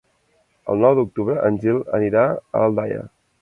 El nou d'octubre en Gil anirà a Aldaia.